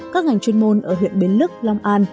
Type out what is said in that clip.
các ngành chuyên môn ở huyện bến lức long an